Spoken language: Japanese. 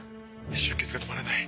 出血が止まらない。